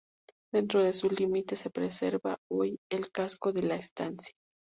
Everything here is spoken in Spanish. Dentro de sus límites se preserva hoy el casco de la estancia.